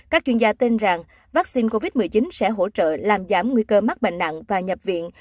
các chuyên gia tin rằng vaccine covid một mươi chín sẽ hỗ trợ làm giảm nguy cơ mắc bệnh nặng và nhập viện